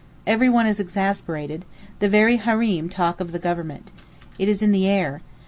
Everyone is exasperated—the very Hareem talk of the government. It is in the air.